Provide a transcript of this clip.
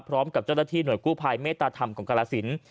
พร้อมกับเจ้าหน้าที่หน่วยกู้ภัยเมตตาธรรมของกรสิน